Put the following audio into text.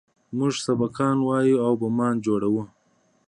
موږ سبقان وايو او بمان جوړوو.